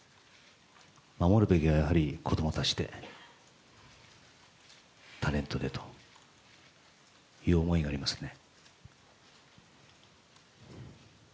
守るべきはやはり子供たちでタレントでという思いがありますね。